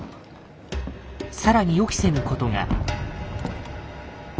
更に予期せぬことが。